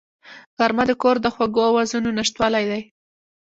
غرمه د کور د خوږو آوازونو نشتوالی دی